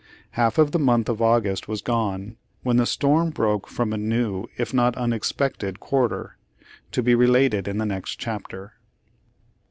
Half of the month of August was gone, when the storm broke from a new if not unexpected quarter, to be related in the next chapter.